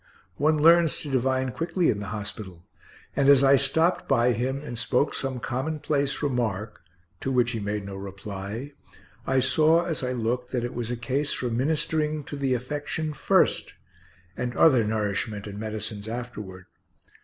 One learns to divine quickly in the hospital, and as I stopped by him and spoke some commonplace remark (to which he made no reply), I saw as I looked that it was a case for ministering to the affection first, and other nourishment and medicines afterward.